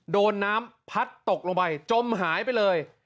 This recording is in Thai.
โดนน้ำพัดตกลงไปจมหายไปเลย